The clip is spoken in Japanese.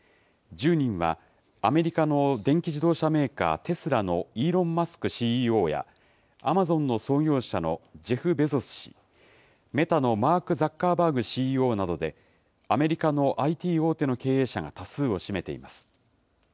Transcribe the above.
１０人は、アメリカの電気自動車メーカー、テスラのイーロン・マスクＣＥＯや、アマゾンの創業者のジェフ・ベゾス氏、メタのマーク・ザッカーバーグＣＥＯなどで、アメリカのＩＴ大手の経営者が多数を占めています。